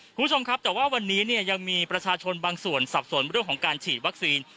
คุณผู้ชมครับแต่ว่าวันนี้เนี่ยยังมีประชาชนบางส่วนสับสนเรื่องของการฉีดวัคซีน